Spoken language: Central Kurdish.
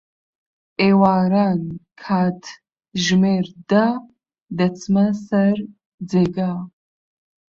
ئێواران، کاتژمێر دە دەچمە سەر جێگا.